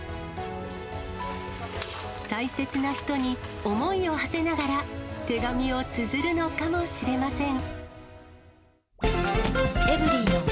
大切な人に思いをはせながら手紙をつづるのかもしれません。